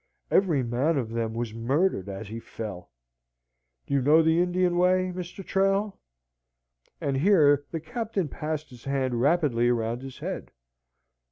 Every man of them was murdered as he fell. You know the Indian way, Mr. Trail?" And here the Captain passed his hand rapidly round his head.